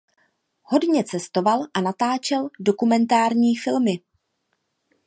Hodně cestoval a natáčel dokumentární filmy.